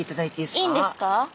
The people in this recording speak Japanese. いいんですか？